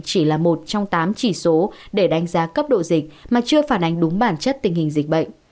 chỉ là một trong tám chỉ số để đánh giá cấp độ dịch mà chưa phản ánh đúng bản chất tình hình dịch bệnh